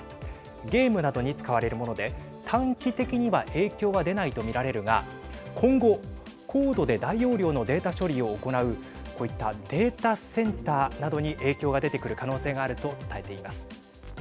ゲームなどに使われるもので短期的には影響は出ないと見られるが今後、高度で大容量のデータ処理を行うこういったデータセンターなどに影響が出てくる可能性があると伝えています。